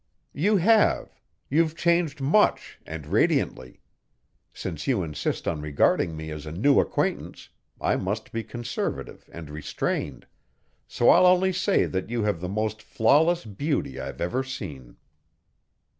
"You have. You've changed much and radiantly. Since you insist on regarding me as a new acquaintance I must be conservative and restrained, so I'll only say that you have the most flawless beauty I've ever seen."